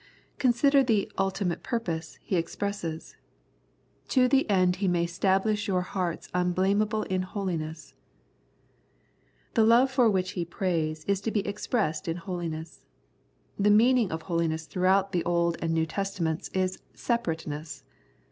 Consider the ultimate purpose he expresses —" To the end He may stablish your hearts unblameable in holiness." The love for which he prays is to be expressed in holiness. The meaning of holiness throughout the Old 9 The Prayers of St. Paul and New Testaments is *^ separateness."